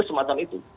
itu semacam itu